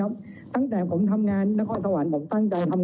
เรามีการปิดบังไหมครับว่าเขาเป็นอย่างนี้เพราะว่าเราเป็นผู้กระทำครับ